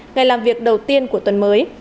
ngày làm việc đầu tiên của tuần mới